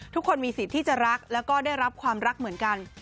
ทุกคนมีสิทธิ์ที่จะรักแล้วก็ได้รับความรักเหมือนกัน